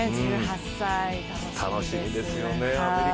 １８歳、楽しみですね。